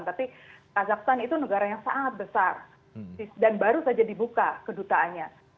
tapi kazakhstan itu negara yang sangat besar dan baru saja dibuka kedutaannya